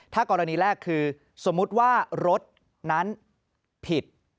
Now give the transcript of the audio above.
ถ้ากรณีแรกคือสมมุติว่ารถนั้นผิด